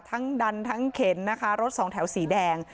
ดันทั้งเข็นนะคะรถสองแถวสีแดง